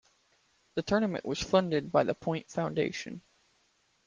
The Tournament was funded by The Point Foundation.